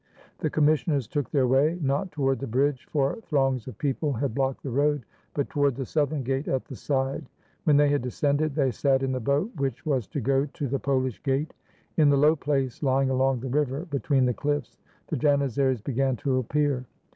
The commissioners took their way, not toward the bridge, for throngs of people had blocked the road, but toward the southern gate at the side. When they had descended, they sat in the boat which was to go to the Polish gate. In the low place lying along the river be tween the cliffs, the Janizaries began to appear.